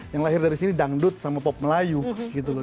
yang lahir dari sini dangdut sama pop melayu gitu loh